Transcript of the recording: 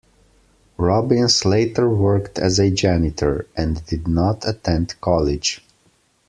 Robbins later worked as a janitor, and did not attend college.